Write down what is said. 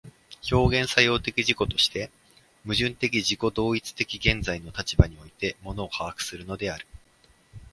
表現作用的自己として、矛盾的自己同一的現在の立場において物を把握するのである。